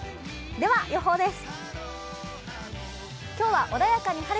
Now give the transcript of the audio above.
では予報です。